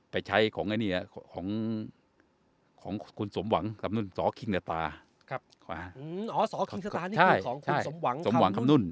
ไปใช้ของไอ้เนี้ยของของคุณสมหวังคำนุ่นสอคิงสตาร์ครับอ๋อสอคิงสตาร์นี่คือของคุณสมหวังคำนุ่น